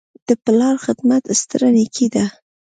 د پلار خدمت ستره نیکي ده.